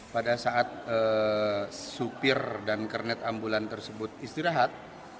pada saat supir dan kernet ambulan tersebut istirahat